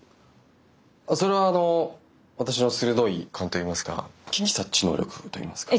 あっそれはあの私の鋭い勘といいますか察知能力といいますか。